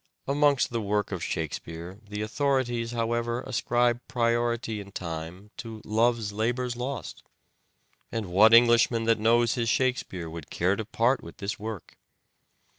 Amongst the work of Shakespeare the authorities, however, ascribe priority in time to " Love's Labour's Lost ;" and what English man that knows his Shakespeare would care to part with this work